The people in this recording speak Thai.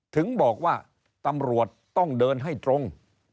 ถึงบอกว่าตำรวจต้องเดินให้ตรง